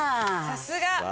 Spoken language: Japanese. さすが！